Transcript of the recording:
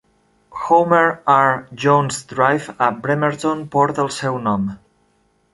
Homer R. Jones Drive, a Bremerton, porta el seu nom.